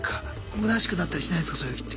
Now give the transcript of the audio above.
むなしくなったりしないんすかそういう日って。